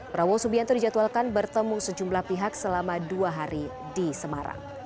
prabowo subianto dijadwalkan bertemu sejumlah pihak selama dua hari di semarang